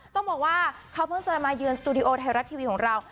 ต้องบอกว่าเขาเพิ่งจะมาเยือนสตูดิโอไทยรัฐทีวีของเรา